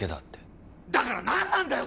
だから何なんだよ！